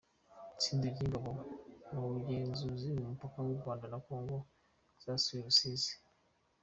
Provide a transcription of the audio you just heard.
Itsinda ry’ingabo mu bugenzuzi ku mupaka w’u Rwanda na Congo zasuye Rusizi